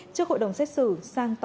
trước hội đồng xét xử sang tỏa